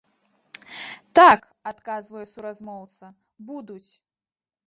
Так, адказвае суразмоўца, будуць.